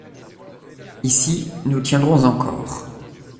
Ici, nous tiendrons encore.